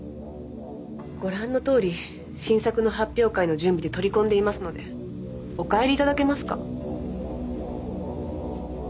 ご覧のとおり新作の発表会の準備で取り込んでいますのでお帰り頂けますか？